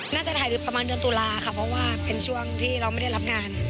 น่าจะถ่ายประมาณเดือนตุลาค่ะเพราะว่าเป็นช่วงที่เราไม่ได้รับงาน